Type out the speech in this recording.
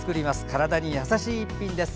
体に優しい一品です。